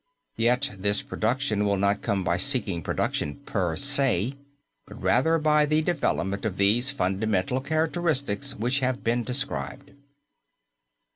Yet this production will not come by seeking production per se, but rather by the development of these fundamental characteristics which have been described.